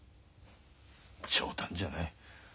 冗談じゃない。